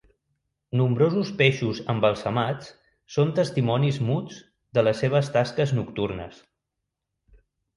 Nombrosos peixos embalsamats són testimonis muts de les seves tasques nocturnes.